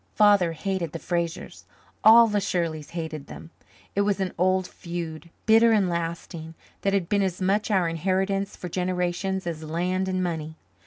Father hated the Frasers, all the Shirleys hated them; it was an old feud, bitter and lasting, that had been as much our inheritance for generations as land and money.